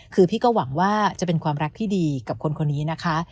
คือพี่ก็หวังว่าจะเป็นความรักที่ดีกับคนคนนี้นะคะ